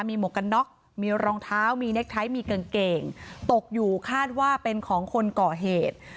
มีหมวกกันน็อกมีรองเท้ามีเน็กไทท์มีกางเกงตกอยู่คาดว่าเป็นของคนก่อเหตุ